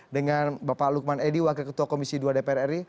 dengan bapak lukman edi wakil ketua komisi dua dpr ri